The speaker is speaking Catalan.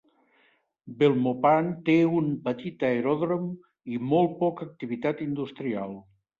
Belmopan té un petit aeròdrom i molt poca activitat industrial.